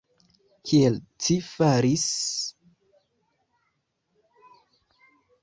Kiel ci faris?